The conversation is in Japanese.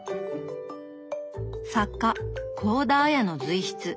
作家幸田文の随筆。